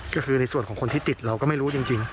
ก็คือในส่วนของคนที่ติดเราก็ไม่รู้จริง